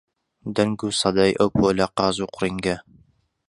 دەنگ و سەدای ئەو پۆلە قاز و قورینگە